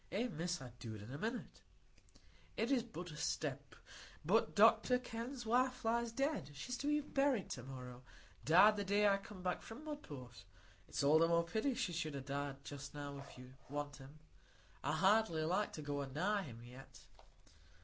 "Eh, Miss, I'd do it in a minute,—it is but a step,—but Dr Kenn's wife lies dead; she's to be buried to morrow; died the day I come from Mudport. It's all the more pity she should ha' died just now, if you want him. I hardly like to go a nigh him yet."